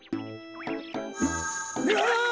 うわ！